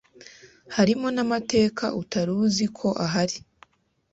harimo n’amateka utaruzi ko ahari